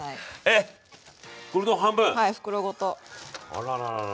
あらららら。